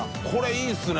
いいですね。